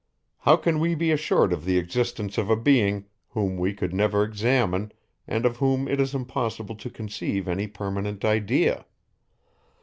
How can we be assured of the existence of a being, whom we could never examine, and of whom it is impossible to conceive any permanent idea?